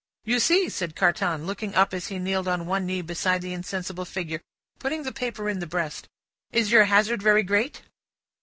"You see?" said Carton, looking up, as he kneeled on one knee beside the insensible figure, putting the paper in the breast: "is your hazard very great?"